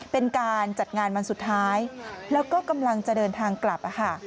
เป็นการจัดงานวันสุดท้ายแล้วก็กำลังจะเดินทางกลับค่ะ